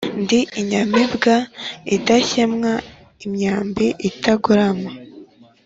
Ndi inyamibwa idakemwa, imyambi itagorama,